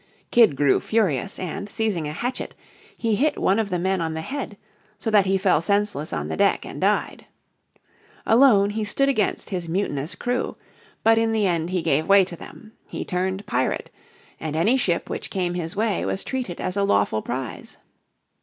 Kidd grew furious, and, seizing a hatchet, he hit one of the men on the head so that he fell senseless on the deck and died. Alone he stood against his mutinous crew. But in the end he gave way to them. He turned pirate, and any ship which came his way was treated as a lawful prize.